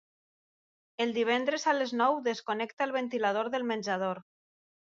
Els divendres a les nou desconnecta el ventilador del menjador.